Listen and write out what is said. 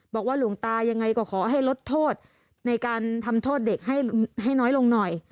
บอกว่าหลวงตายังไงก็ขอให้ลดโทษในการทำโทษเด็กให้น้อยลงหน่อย